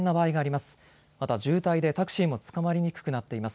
また渋滞でタクシーも捕まりにくくなっています。